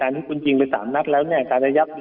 อันนี้ก็เป็นข้ออ้างเขาอยู่แล้วคือแม้ว่า